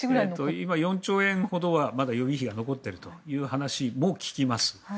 今、４兆円ほどはまだ予備費が残っているという話も聞きます。